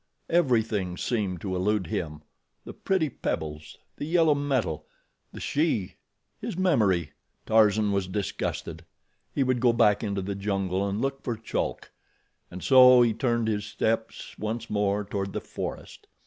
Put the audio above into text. Everything seemed to elude him—the pretty pebbles, the yellow metal, the she, his memory. Tarzan was disgusted. He would go back into the jungle and look for Chulk, and so he turned his steps once more toward the forest.